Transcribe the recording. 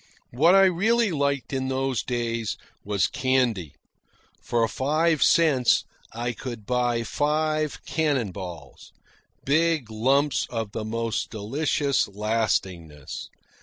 What I really liked in those days was candy. For five cents I could buy five "cannon balls" big lumps of the most delicious lastingness.